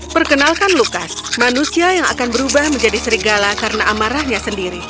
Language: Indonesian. perkenalkan lukas manusia yang akan berubah menjadi serigala karena amarahnya sendiri